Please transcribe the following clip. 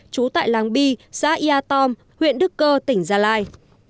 trú tại làng bi xã ia tom huyện đức cơ tỉnh gia lai